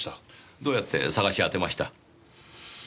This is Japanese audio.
どうやって捜し当てました？